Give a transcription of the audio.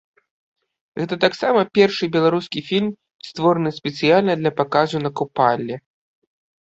Гэта таксама першы беларускі фільм, створаны спецыяльна для паказу на купале.